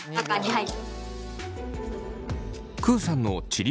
はい！